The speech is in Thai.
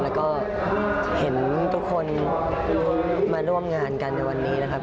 แล้วก็เห็นทุกคนมาร่วมงานกันในวันนี้นะครับ